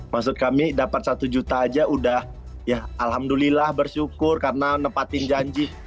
maksud kami dapat satu juta aja udah ya alhamdulillah bersyukur karena nepatin janji